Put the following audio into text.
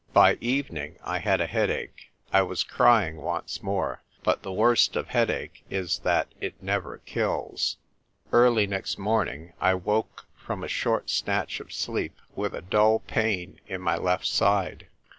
By evening, I had a headache. I was cry ing once more. But the worst of headache is that it never kills. Early next morning I woke from a short snatch of sleep with a dull pain in my left side.